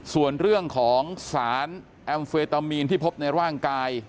ส่วนเรื่องของสารแอมเฟตามีนที่พบในร่างกาย